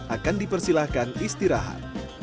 akan dipersilahkan istirahat